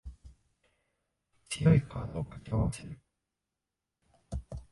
強いカードを掛け合わせる